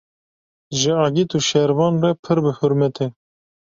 ji egît û şervan re pir bi hurrmet e.